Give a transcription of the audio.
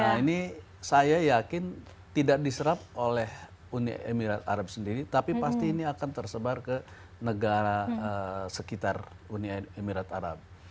nah ini saya yakin tidak diserap oleh uni emirat arab sendiri tapi pasti ini akan tersebar ke negara sekitar uni emirat arab